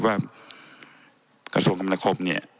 ว่ากระทรวงคำนครบเนี่ย